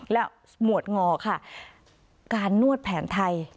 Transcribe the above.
และหมวดงอค่ะการนวดแผนไทย